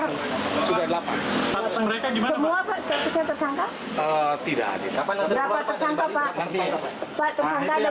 yang sudah ditetapkan